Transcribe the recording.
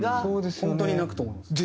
本当に泣くと思います。